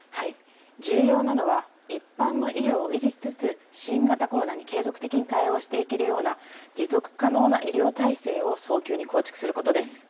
重要なのは一般の医療を維持しつつ新型コロナに継続的に対応していけるような持続可能な医療体制を早急に構築することです。